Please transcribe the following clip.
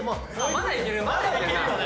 まだいけるよね。